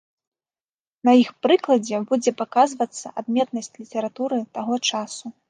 На іх прыкладзе будзе паказвацца адметнасць літаратуры таго часу.